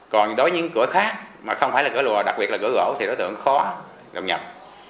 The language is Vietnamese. còn đối với những cửa khác mà không phải là cửa lò đặc biệt là cửa gỗ thì đối tượng khó độc nhập